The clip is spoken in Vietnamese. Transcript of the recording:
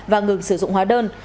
và ngừng sử dụng hóa đơn